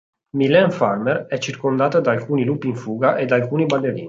Mylène Farmer è circondata da alcuni lupi in fuga e da alcuni ballerini.